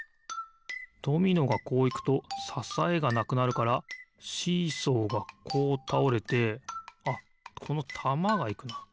ドミノがこういくとささえがなくなるからシーソーがこうたおれてあっこのたまがいくな。